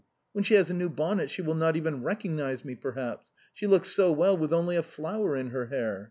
When she has a new bonnet she will not even recognize me, perhaps. She looks so well with only a flower in her hair.